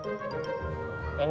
udah aku ambil